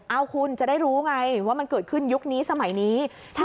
เอาคุณจะได้รู้ไงว่ามันเกิดขึ้นยุคนี้สมัยนี้